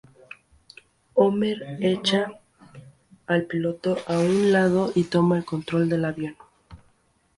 Homer echa al piloto a un lado y toma el control del avión.